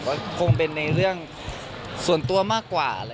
ก็คงเป็นในเรื่องส่วนตัวมากกว่า